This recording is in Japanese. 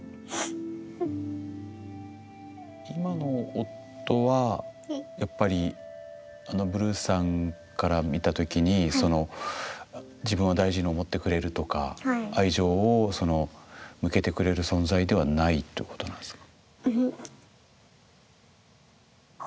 今の夫はやっぱりブルーさんから見た時に自分を大事に思ってくれるとか愛情を向けてくれる存在ではないということなんですか？